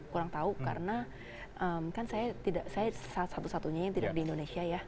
kurang tahu karena kan saya tidak saya satu satunya yang tidak di indonesia ya